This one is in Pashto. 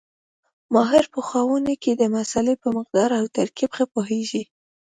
ماهر پخوونکی د مسالې په مقدار او ترکیب ښه پوهېږي.